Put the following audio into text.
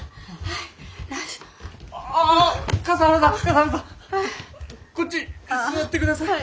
はい。